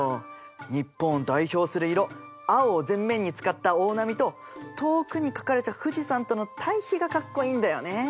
日本を代表する色青を全面に使った大波と遠くに描かれた富士山との対比がかっこいいんだよね。